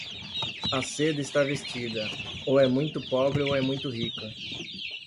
A seda está vestida, ou é muito pobre ou é muito rica.